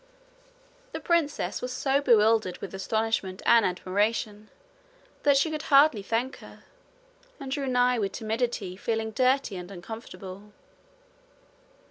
The princess was so bewildered with astonishment and admiration that she could hardly thank her, and drew nigh with timidity, feeling dirty and uncomfortable.